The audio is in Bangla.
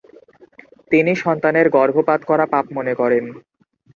তিনি সন্তানের গর্ভপাত করা পাপ মনে করেন।